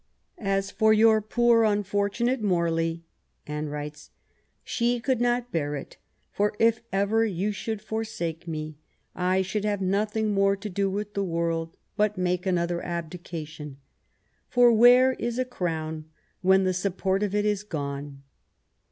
" As for your poor, unfortunate Morley,'^ Anne writes, " she could not bear it ; for if ever you should forsake me I should have nothing more to do with the world, but make another abdication ; for where is a crown when the support of it is gone